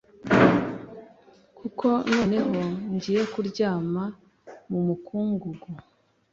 kuko noneho ngiye kuryama mu mukungugu